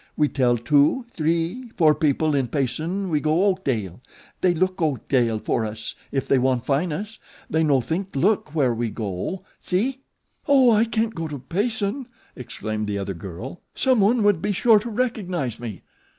We tell two, three, four people in Payson we go Oakdale. They look Oakdale for us if they wan' fin' us. They no think look where we go. See?" "Oh, I can't go to Payson," exclaimed the other girl. "Someone would be sure to recognize me."